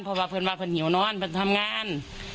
เพราะว่าเพลินบอกว่าเพลินหิวนอนเพลินทำงาน